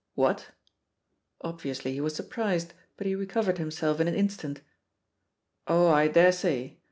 "What?" Obviously he was surprised, but he recovered himself in an instant. "Oh, I dare say.